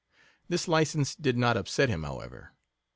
This license did not upset him, however.